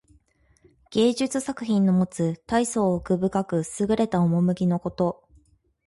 芸術作品のもつたいそう奥深くすぐれた趣のこと。